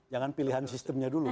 jangan pilihan sistemnya dulu